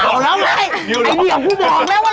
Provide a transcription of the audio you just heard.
เอาแล้วเลยไอ้เหนียวพี่บอกแล้วว่าอย่าแพงแบบนี้